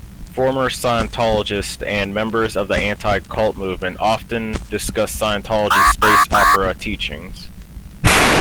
Former Scientologists and members of the anti-cult movement often discuss Scientology's space opera teachings.